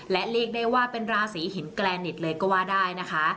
และเรียกได้ว่าเป็นราศีหินแกรนิตเลยก็ว่าได้นะคะ